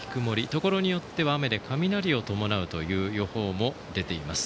ところによっては雨で雷を伴うという予報も出ています。